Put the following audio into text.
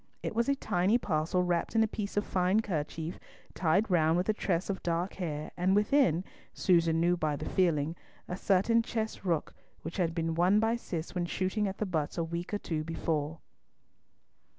It was a tiny parcel wrapped in a piece of a fine kerchief, tied round with a tress of dark hair, and within, Susan knew by the feeling, a certain chess rook which had been won by Cis when shooting at the butts a week or two before.